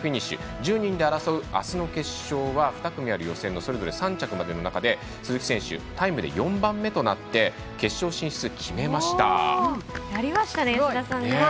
１０人で争う、あすの決勝は２組の予選の３着までの中で鈴木選手タイムで４番目となって決勝進出を決めました。